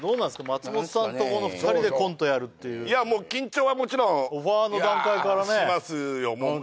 松本さんと２人でコントやるっていういやあもう緊張はもちろんオファーの段階からねしますよホント？